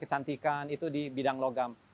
kecantikan itu di bidang logam